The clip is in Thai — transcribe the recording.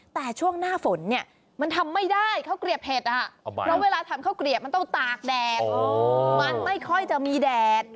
แต่ช่วงหน้าฝนเนี่ยมันทำไม่ได้ข้าวเกลียบเห็ดเพราะเวลาทำข้าวเกลียบมันต้องตากแดดมันไม่ค่อยจะมีแดด